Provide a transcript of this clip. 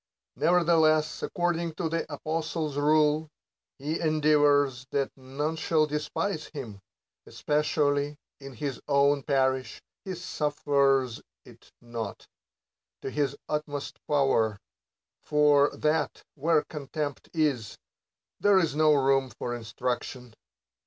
Nevertheless, according to the apostle's rule, he endeavors that none shall despise him ; especially in his own parish he suf fers it not, to his utmost power, for that, where contempt is, there is no room for instruction.